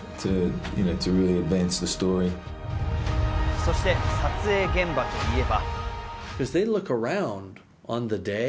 そして、撮影現場といえば。